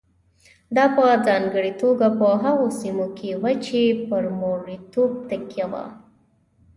دا په ځانګړې توګه په هغو سیمو کې وه چې پر مریتوب تکیه وه.